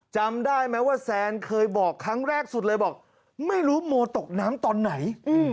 จำได้ไหมว่าแซนเคยบอกครั้งแรกสุดเลยบอกไม่รู้โมตกน้ำตอนไหน